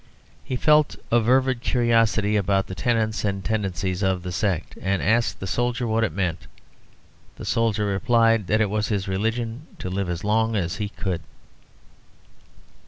He felt a fervid curiosity about the tenets and tendencies of the sect; and he asked the soldier what it meant. The soldier replied that it was his religion "to live as long as he could."